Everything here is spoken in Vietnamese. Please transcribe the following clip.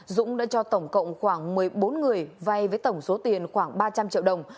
dũng đã cho tổng cộng khoảng một mươi bốn người vay với tổng số tiền khoảng ba trăm linh triệu đồng